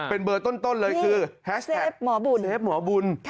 เป็นเบอร์ต้นเลยคือแฮชแท็กเซฟหมอบุญ